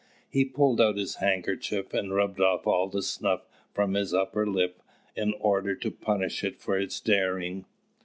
He pulled out his handkerchief, and rubbed off all the snuff from his upper lip in order to punish it for its daring.